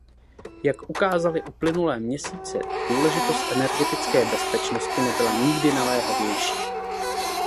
Jak ukázaly uplynulé měsíce, důležitost energetické bezpečnosti nebyla nikdy naléhavější.